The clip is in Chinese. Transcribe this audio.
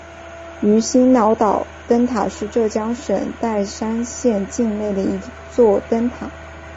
鱼腥脑岛灯塔是浙江省岱山县境内的一座灯塔。